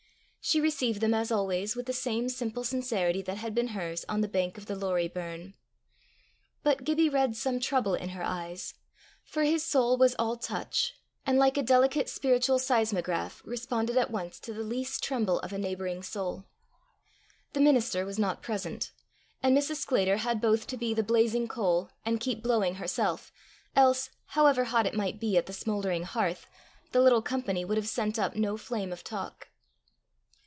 She received them, as always, with the same simple sincerity that had been hers on the bank of the Lorrie burn. But Gibbie read some trouble in her eyes, for his soul was all touch, and, like a delicate spiritual seismograph, responded at once to the least tremble of a neighbouring soul. The minister was not present, and Mrs. Sclater had both to be the blazing coal, and keep blowing herself, else, however hot it might be at the smouldering hearth, the little company would have sent up no flame of talk.